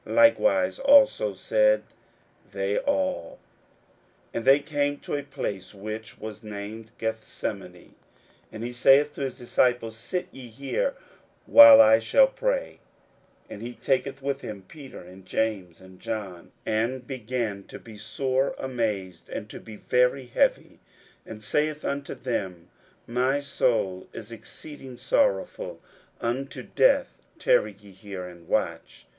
Likewise also said they all. 41:014:032 And they came to a place which was named Gethsemane: and he saith to his disciples, Sit ye here, while I shall pray. 41:014:033 And he taketh with him Peter and James and John, and began to be sore amazed, and to be very heavy; 41:014:034 And saith unto them, My soul is exceeding sorrowful unto death: tarry ye here, and watch.